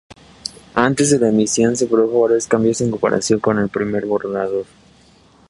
Antes de la emisión se produjo varios cambios en comparación con el primer borrador.